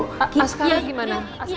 askaran gimana askaran yang saya jaga